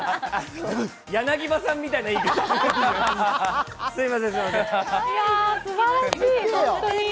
柳葉さんみたいな演技。